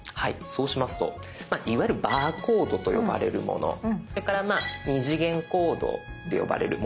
そうしますとまあいわゆるバーコードと呼ばれるものそれから二次元コードって呼ばれるものがあると思います。